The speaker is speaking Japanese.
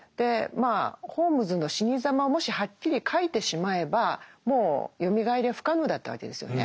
まあホームズの死に様をもしはっきり書いてしまえばもうよみがえりは不可能だったわけですよね。